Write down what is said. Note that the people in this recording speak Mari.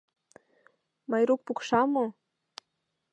Майрук пукша мо?